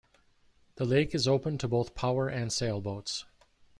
The lake is open to both power and sail boats.